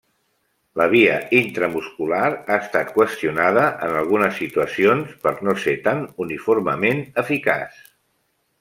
La via intramuscular ha estat qüestionada en algunes situacions per no ser tan uniformement eficaç.